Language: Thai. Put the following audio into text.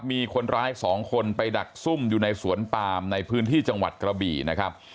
มีคนร้ายสองคนไปดักซุ่มอยู่ในสวนปามในพื้นที่จังหวัดกระบี่นะครับ